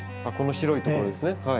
あっこの白いところですね。